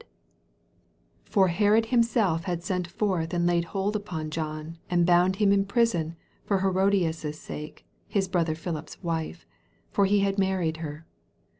117 17 For Herod himself had sent forth end laid hold upon John, and bound him iii prison for Herodias' sake, his brother Philip's wife : for he had married her.